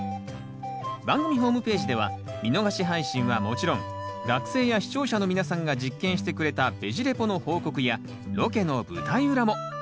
番組ホームページでは見逃し配信はもちろん学生や視聴者の皆さんが実験してくれたベジ・レポの報告やロケの舞台裏も。